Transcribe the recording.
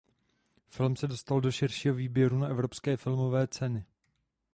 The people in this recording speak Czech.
Film se dostal do širšího výběru na Evropské filmové ceny.